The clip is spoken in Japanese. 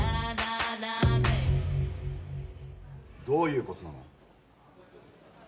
どういうことなの？